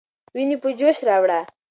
ويني په جوش راوړه.